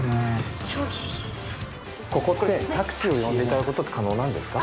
タクシーを呼んでいただくことって可能なんですか？